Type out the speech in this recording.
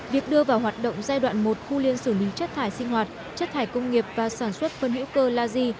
việc đưa vào hoạt động giai đoạn một khu liên xử lý chất thải sinh hoạt chất thải công nghiệp và sản xuất phân hữu cơ là gì